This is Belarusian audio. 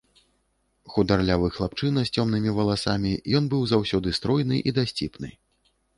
Хударлявы хлапчына, з цёмнымі валасамі, ён быў заўсёды стройны і дасціпны.